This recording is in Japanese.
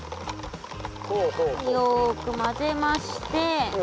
よくまぜまして。